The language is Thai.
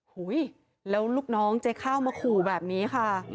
หุ้ยแล้วลูกน้องเจ๊ข้าวมาขู่แบบนี้ค่ะ